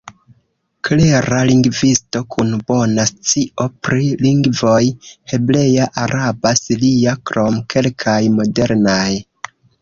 Klera lingvisto, kun bona scio pri lingvoj hebrea, araba, siria krom kelkaj modernaj.